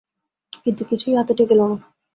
কিন্তু কিছুই হাতে ঠেকিল না।